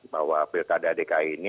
bahwa pilkada dki ini